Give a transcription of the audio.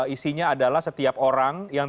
isinya adalah setiap orang yang